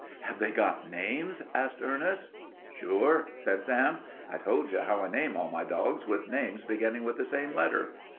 "Have they got names?" asked Ernest. "Sure," said Sam. "I told you how I name all my dogs with names beginning with the same letter.